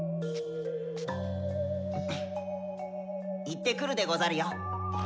いってくるでござるよ。